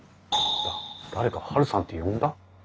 誰か「ハルさん」って呼んだ？